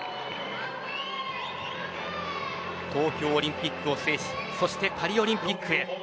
東京オリンピックを制しそしてパリオリンピックへ。